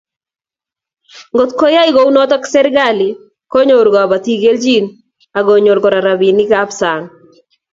Ngotkoyai kounoto serkali konyoru kobotik kelchin akonyor Kora robinikab sang